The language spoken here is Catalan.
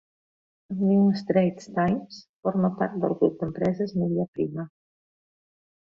El "New Straits Times" forma part del grup d'empreses "Media Prima".